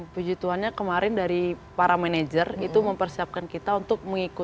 puji tuhannya kemarin dari para manajer itu mempersiapkan kita untuk mengikuti